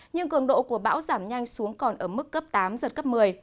nhưng cường độ của bão giảm nhanh xuống còn ở mức cấp tám giật cấp một mươi